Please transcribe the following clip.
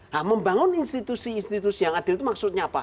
nah membangun institusi institusi yang adil itu maksudnya apa